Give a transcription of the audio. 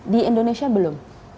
di indonesia belum